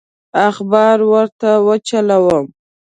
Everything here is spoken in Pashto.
اخبار ورته وچلوم.